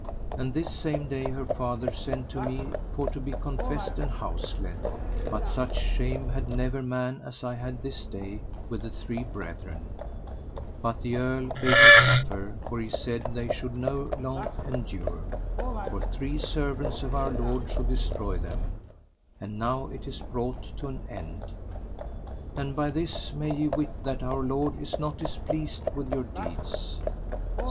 And this same day her father sent to me for to be confessed and houseled; but such shame had never man as I had this day with the three brethren, but the earl bade me suffer, for he said they should not long endure, for three servants of Our Lord should destroy them, and now it is brought to an end. And by this may ye wit that Our Lord is not displeased with your deeds.